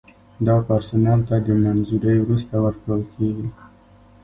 دا پرسونل ته د منظورۍ وروسته ورکول کیږي.